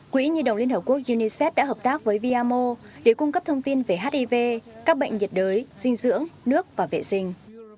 quỹ như đồng liên hợp quốc unicef đã hợp tác với viamo để cung cấp thông tin về hiv các bệnh nhiệt đới dinh dưỡng nước và vệ sinh